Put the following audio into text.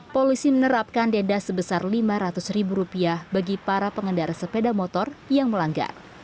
polisi menerapkan denda sebesar lima ratus ribu rupiah bagi para pengendara sepeda motor yang melanggar